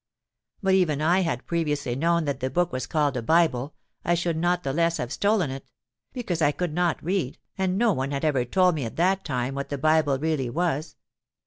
But even if I had previously known that the book was called a Bible, I should not the less have stolen it; because I could not read, and no one had ever told me at that time what the Bible really was.